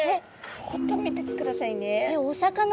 ちょっと見ててくださいね。